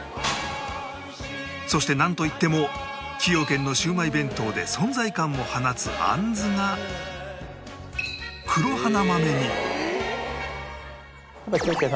そしてなんといっても崎陽軒のシウマイ弁当で存在感を放つあんずが黒花豆煮